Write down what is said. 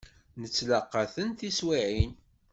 Nettlaqa-ten tiswiεin.